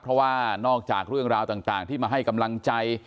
เพราะว่านอกจากเรื่องราวต่างที่มาให้กำลังใจ